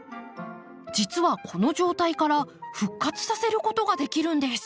実はこの状態から復活させることができるんです。